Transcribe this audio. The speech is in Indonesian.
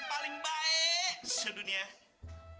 berada di rumah